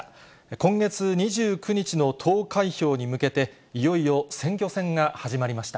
今月２９日の投開票に向けて、いよいよ選挙戦が始まりました。